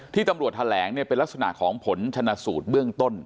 ตำรวจแถลงเนี่ยเป็นลักษณะของผลชนะสูตรเบื้องต้น